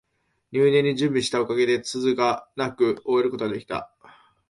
入念に準備したおかげで、つつがなく終えることが出来た